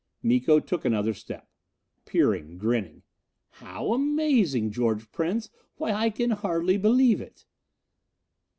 Miko took another step. Peering. Grinning. "How amazing, George Prince! Why, I can hardly believe it!"